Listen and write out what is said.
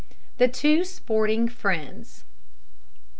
THE TWO SPORTING FRIENDS.